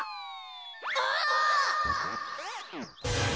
あっ！